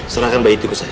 serahkan bayi itu ke saya